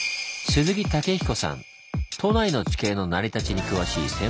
都内の地形の成り立ちに詳しい専門家です。